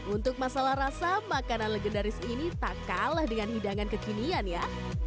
untuk masalah rasa makanan legendaris ini tak kalah dengan hidangan kekinian ya